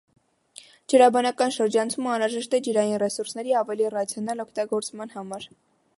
Ջրաբանական շրջանցումը անհրաժեշտ է ջրային ռեսուրսների ավելի ռացիոնալ օգտագործման համար։